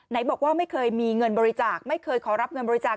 ไหนบอกว่าไม่เคยมีเงินบริจาคไม่เคยขอรับเงินบริจาค